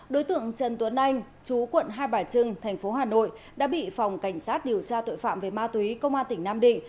đối tượng trần tuấn anh chú quận hai bà trưng thành phố hà nội đã bị phòng cảnh sát điều tra tội phạm về ma túy công an tỉnh nam định